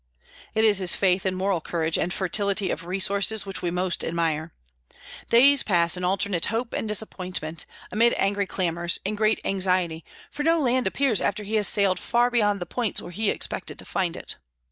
It is his faith and moral courage and fertility of resources which we most admire. Days pass in alternate hope and disappointment, amid angry clamors, in great anxiety, for no land appears after he has sailed far beyond the points where he expected to find it.